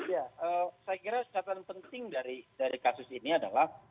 ya saya kira catatan penting dari kasus ini adalah